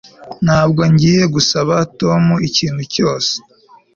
Ntabwo ngiye gusaba Tom ikintu cyose